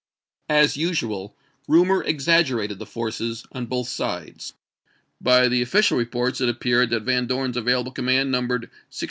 As usual, rumor exaggerated the forces on both sides. By the official reports it appears that Van Dorn's available command numbered 16,202.